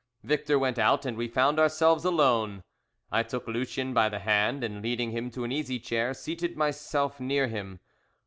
Victor went out, and we found ourselves alone. I took Lucien by the hand, and leading him to an easy chair seated myself near him.